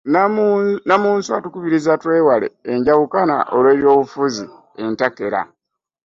Nnamunswa atukubirizza twewale enjawukana olw'ebyobufuzi entakera